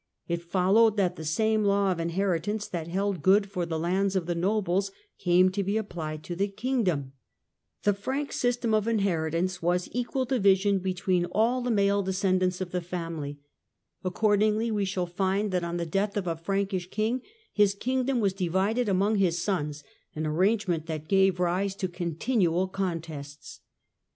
It followed that the same law of inheritance that held good for the lands of the nobles came to be applied to the kingdom, The Frank system of inheritance was 48 THE DAWN OF MEDIEVAL EUROPE Nobles Warriors Scit's ami slaves equal division between all the male descendants of the family. Accordingly we shall find that on the death of a Frankish king his kingdom was divided among his sons — an arrangement that gave rise to continual con tests.